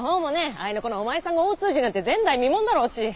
合いの子のお前さんが大通詞なんて前代未聞だろうし。